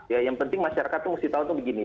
ya yang penting masyarakat itu mesti tahu tuh begini